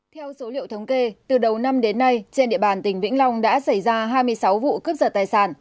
theo số liệu thống kê từ đầu năm đến nay trên địa bàn tỉnh vĩnh long đã xảy ra hai mươi sáu vụ cướp giật tài sản